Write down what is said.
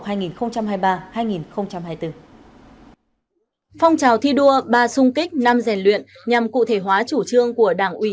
phong trào thi đua ba sung kích năm rèn luyện nhằm cụ thể hóa chủ trương của đảng ủy